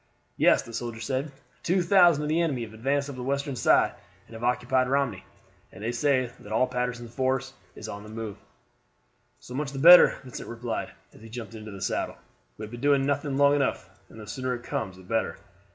"Yes," the soldier said; "2,000 of the enemy have advanced up the Western side and have occupied Romney, and they say that all Patterson's force is on the move." "So much the better," Vincent replied, as he jumped into the saddle. "We have been doing nothing long enough, and the sooner it comes the better."